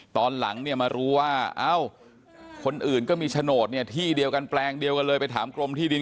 ตอนหลังมารู้ว่าคนอื่นก็มีโฉนดที่เดียวกันแปลงเดียวกันเลยไปถามกรมที่ดิน